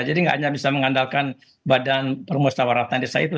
jadi nggak hanya bisa mengandalkan badan perumus tawaratan desa itu